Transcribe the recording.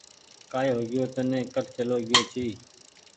ڪآئي هوگئيو تني ڪٺ چلو گيو ڇي۔